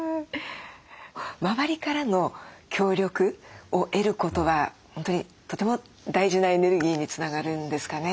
周りからの協力を得ることは本当にとても大事なエネルギーにつながるんですかね。